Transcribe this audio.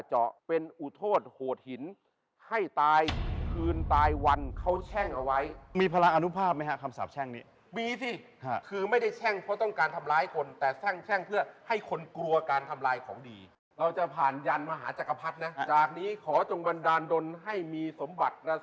ครับสวทธิ์สวทธิ์ครับสวทธิ์ครับสวทธิ์ครับสวทธิ์ครับสวทธิ์ครับสวทธิ์ครับสวทธิ์ครับสวทธิ์ครับสวทธิ์ครับสวทธิ์ครับสวทธิ์ครับสวทธิ์ครับสวทธิ์ครับสวทธิ์ครับสวทธิ์ครับสวทธิ์ครับสวทธิ์ครับสวทธิ์ครับสวทธิ์ครับส